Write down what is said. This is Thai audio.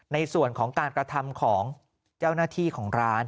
ในส่วนของการกระทำของเจ้าหน้าที่ของร้าน